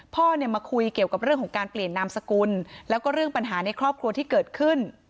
พ่อเนี่ยมาคุยเกี่ยวกับเรื่องของการเปลี่ยนนามสกุลแล้วก็เรื่องปัญหาในครอบครัวที่เกิดขึ้น